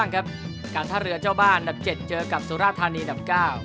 การถ้าเรือเจ้าบ้านแบบ๗เจอกับสุราธารณีแบบ๙